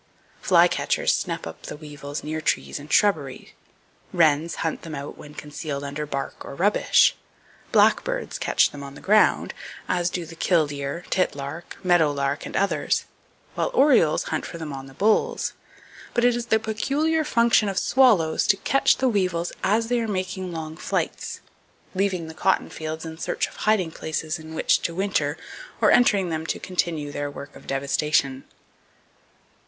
Flycatchers snap up the weevils near trees and shrubbery. Wrens hunt them out when concealed under bark or rubbish. Blackbirds catch them on the ground, as do the killdeer, titlark, meadow lark, and others; while orioles hunt for them on the bolls. But it is the peculiar function of swallows to catch the weevils as they are making long flights, leaving the cotton fields in search of hiding places in which to winter or entering them to continue their work of devastation.